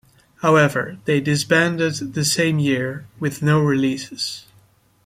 However they disbanded the same year with no releases.